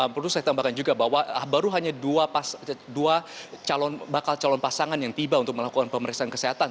perlu saya tambahkan juga bahwa baru hanya dua bakal calon pasangan yang tiba untuk melakukan pemeriksaan kesehatan